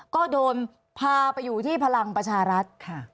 ก็โดนพาไปอยู่ที่พลังประชารัฐ